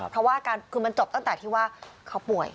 เพราะว่าอาการคือมันจบตั้งแต่ที่ว่าเขาป่วย